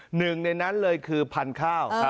หนึ่งในนั้นเลยคือพันธุ์ข้าว